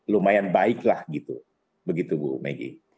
lumayan baiklah gitu begitu bu megi